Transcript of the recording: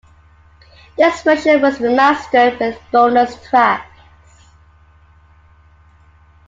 This version was remastered with bonus tracks.